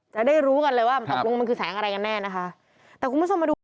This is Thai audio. จะได้รู้กันเลยว่าพรุ่งมันคือแสงอะไรกันแน่นะคะ